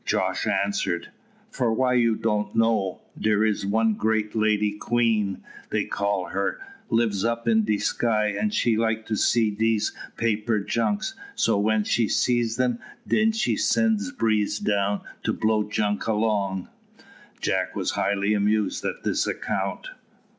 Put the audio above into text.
Jos answered "For why you don't know? Dere is one great lady, queen, they call her, lives up in de sky, and she like to see dese paper junks; and so when she see dem, den she send breeze to blow junk along." Jack was highly amused at this account.